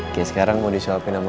oke sekarang mau disobokin sama papa